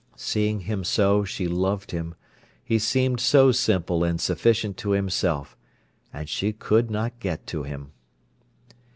Seeing him so, she loved him; he seemed so simple and sufficient to himself. And she could not get to him.